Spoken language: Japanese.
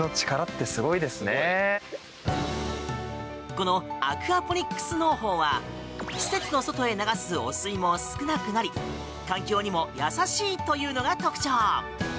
このアクアポニックス農法は施設の外へ流す汚水も少なくなり環境にも優しいというのが特徴。